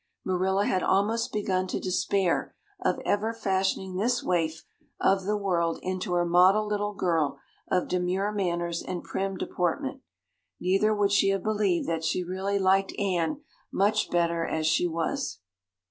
Marilla had almost begun to despair of ever fashioning this waif of the world into her model little girl of demure manners and prim deportment. Neither would she have believed that she really liked Anne much better as she was.